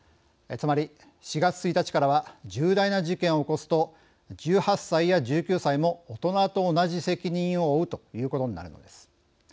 つまり４月１日からは重大な事件を起こすと１８歳や１９歳も大人と同じ責任を負うということになるのです。